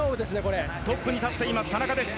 トップに立っています田中です。